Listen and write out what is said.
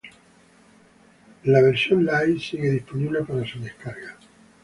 La versión Light sigue disponible para su descarga.